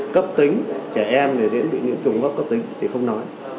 cấp tính trẻ em thì dễ bị những trùng gốc cấp tính thì không nói